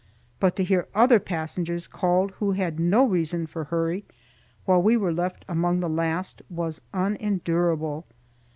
But to hear other passengers called who had no reason for hurry, while we were left among the last, was unendurable.